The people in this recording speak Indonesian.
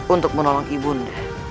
untuk menolong ibunda